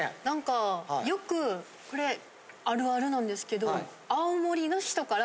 何かよくこれあるあるなんですけど。